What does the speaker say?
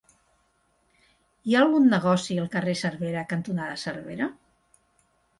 Hi ha algun negoci al carrer Cervera cantonada Cervera?